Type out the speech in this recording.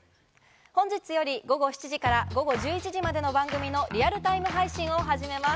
本日より午後７時から午後１１時までの番組のリアルタイム配信を始めます。